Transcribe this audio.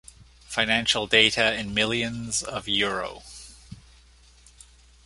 Financial data in millions of euro.